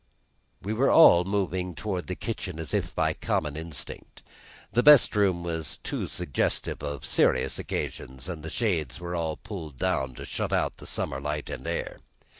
We were all moving toward the kitchen as if by common instinct. The best room was too suggestive of serious occasions, and the shades were all pulled down to shut out the summer light and air.